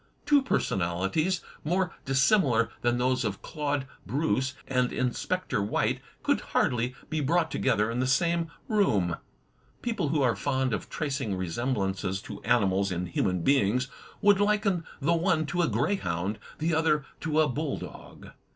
Two personalities more dissimilar than those of Claude Bruce and Inspector White could hardly be brought together in the same room. People who are fond of tracing resemblances to animals in htmian beings would liken the one to a grey hound, the other to a bull dog.